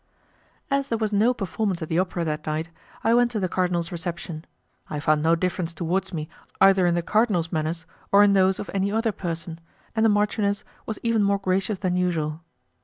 As there was no performance at the Opera that night, I went to the cardinal's reception; I found no difference towards me either in the cardinal's manners, or in those of any other person, and the marchioness was even more gracious than usual.